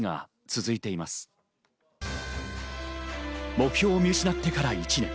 目標を見失ってから１年。